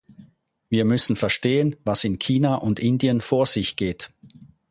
Wir müssen verstehen, was in China und Indien vor sich geht.